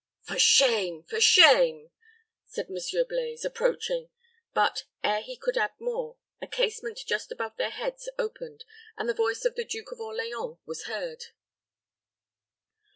"For shame! for shame!" said Monsieur Blaize, approaching; but, ere he could add more, a casement just above their heads opened, and the voice of the Duke of Orleans was heard.